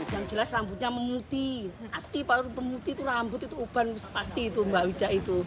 yang jelas rambutnya memutih pasti baru memutih itu rambut itu uban pasti itu mbak widah itu